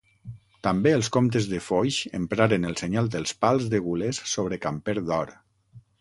També els comtes de Foix empraren el senyal dels pals de gules sobre camper d'or.